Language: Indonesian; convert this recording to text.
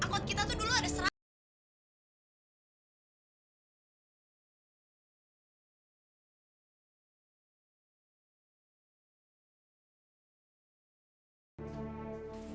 angkot kita tuh dulu ada serangga